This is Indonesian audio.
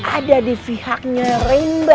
ada di pihaknya rimba